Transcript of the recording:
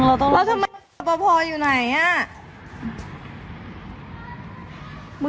แล้วทำไมล่ะพออยู่ไหนอ่ะ